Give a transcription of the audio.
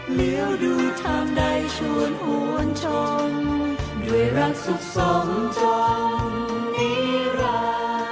เหลือดูทำใดชวนหวนชมด้วยรักสุขสมจมนิรันด์